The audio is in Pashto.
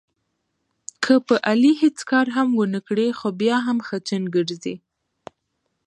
که په علي هېڅ کار هم ونه کړې، خو بیا هم خچن ګرځي.